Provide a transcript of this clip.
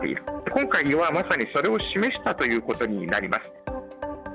今回はまさにそれを示したということになります。